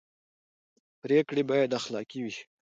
پرېکړې باید اخلاقي وي